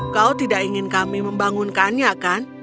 kau tidak ingin kami membangunkannya kan